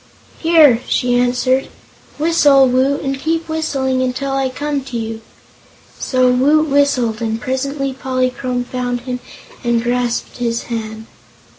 "Here," she answered. "Whistle, Woot, and keep whistling until I come to you." So Woot whistled, and presently Polychrome found him and grasped his hand.